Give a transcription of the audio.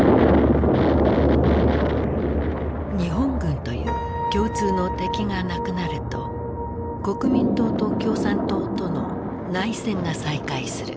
日本軍という共通の敵がなくなると国民党と共産党との内戦が再開する。